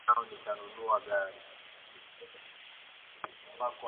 Mwaka ujao nitanunua gari